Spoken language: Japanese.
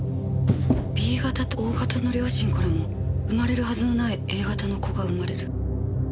Ｂ型とＯ型の両親からも生まれるはずのないＡ型の子が生まれる。